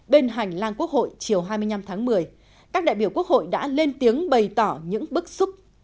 bên hành lang quốc hội chiều hai mươi năm tháng một mươi các đại biểu quốc hội đã lên tiếng bày tỏ những bức xúc